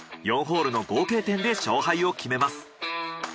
４ホールの合計点で勝敗を決めます。